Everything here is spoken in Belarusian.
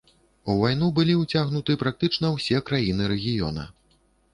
У вайну былі ўцягнуты практычна ўсе краіны рэгіёна.